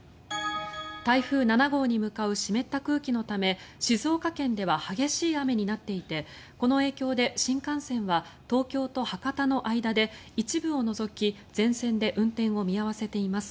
台風７号に向かう湿った空気のため静岡県では激しい雨になっていてこの影響で新幹線は東京と博多の間で一部を除き全線で運転を見合わせています。